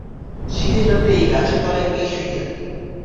শীতের রাত্রে এই গাছের তলায় কে শুইয়া?